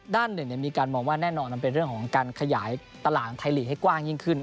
ด้านหนึ่งมีการมองว่าแน่นอนมันเป็นเรื่องของการขยายตลาดไทยลีกให้กว้างยิ่งขึ้น